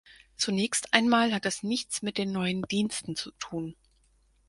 Zunächst einmal hat das nichts mit den neuen Diensten zu tun.